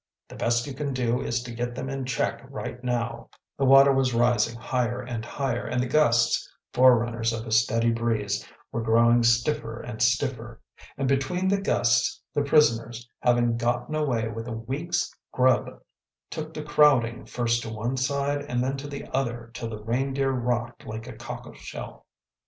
The best thing you can do is to get them in check right now.‚ÄĚ The water was rising higher and higher, and the gusts, forerunners of a steady breeze, were growing stiffer and stiffer. And between the gusts, the prisoners, having gotten away with a week’s grub, took to crowding first to one side and then to the other till the Reindeer rocked like a cockle shell.